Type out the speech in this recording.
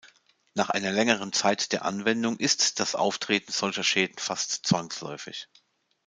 Nach einer längeren Zeit der Anwendung ist das Auftreten solcher Schäden fast zwangsläufig.